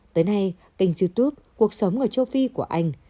tới nay kênh youtube cuộc sống ở châu phi của anh